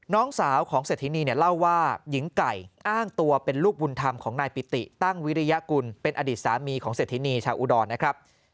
น้องสาวของเศรษฐินีเนี่ยเล่าว่าหญิงไก่อ้างตัวเป็นลูกบุญธรรมของนายปิติตั้งวิริยกุลเป็นอดีตสามีของเศรษฐินีชาวอุดรนะครับ